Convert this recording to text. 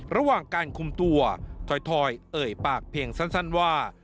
ระหว่างการคุมตัวถอยเอ่ยปากเพียงสั้นว่า